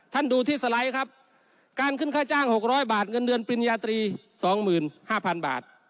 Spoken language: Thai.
ท่านดูที่สไลด์ครับการขึ้นค่าจ้างหกร้อยบาทเงินเดือนปริญญาตรีสองหมื่นห้าพันบาท